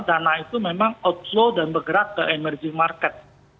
dana itu memang outflow dan bergerak ke emerging market